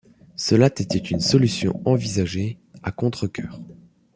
Cela était une solution envisagée à contrecœur.